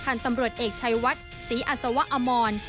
พันธุ์ตำรวจเอกชายวัดศรีอัศวะอมร